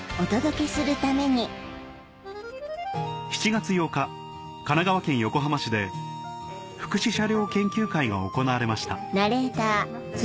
７月８日神奈川県横浜市で福祉車両研究会が行われました